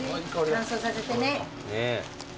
乾燥させてね。